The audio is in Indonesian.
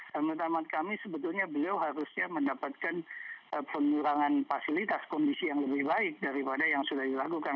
menurut amat kami sebetulnya beliau harusnya mendapatkan pengurangan fasilitas kondisi yang lebih baik daripada yang sudah dilakukan